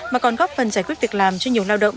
mà còn góp phần giải quyết việc làm cho nhiều lao động